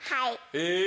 え！